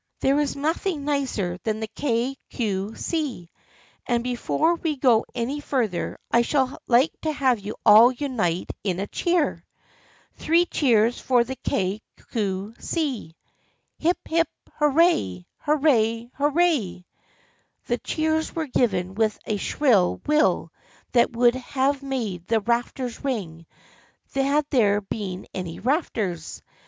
There is nothing nicer than the Kay Cue See, and before we go any further I should like to have you all unite in a THE FRIENDSHIP OF ANNE 55 cheer. Three cheers for the Kay Cue See. Hip — hip — hurray ! Hurray ! Hurray !" The cheers were given with a shrill will that would have made the rafters ring, had there been any rafters.